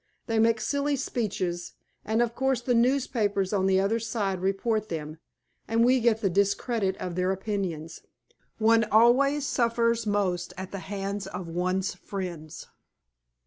They make silly speeches, and of course the newspapers on the other side report them, and we get the discredit of their opinions. One always suffers most at the hands of one's friends."